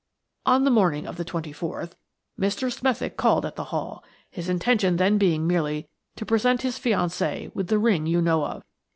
On the morning of the 24th Mr. Smethick called at the Hall, his intention then being merely to present his fiancée with the ring you know of.